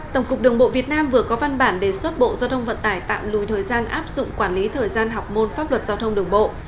tổng cục đường bộ việt nam vừa có văn bản đề xuất bộ giao thông vận tải tạm lùi thời gian áp dụng quản lý thời gian học môn pháp luật giao thông đường bộ